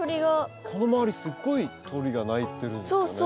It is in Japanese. この周りすごい鳥が鳴いてるんですよね。